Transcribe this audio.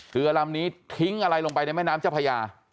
เรือลำนี้ทิ้งอะไรลงไปในแม่น้ำเจ้าพญา